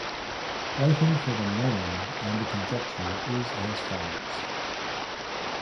Writing for the nome and the conjecture is as follows.